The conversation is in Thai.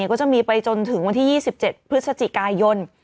ก็จะมีไปจนถึงวันที่๒๗พฤศจิกายน